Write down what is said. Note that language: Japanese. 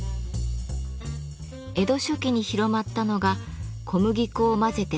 江戸初期に広まったのが小麦粉を混ぜてつなげる技術。